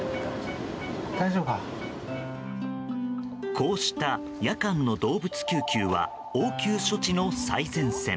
こうした夜間の動物救急は応急処置の最前線。